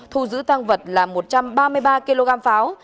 thu giữ tăng vật là một trăm ba mươi ba kg pháo